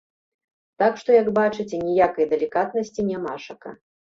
Так што, як бачыце, ніякай далікатнасці нямашака.